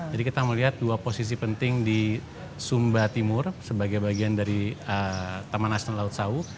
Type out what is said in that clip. jadi kita melihat dua posisi penting di sumba timur sebagai bagian dari taman nasional laut sahu